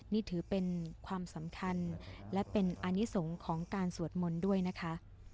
นี่ถือเป็นความสำคัญและเป็นอนิสงฆ์ของการสวดมนต์ด้วยนะคะ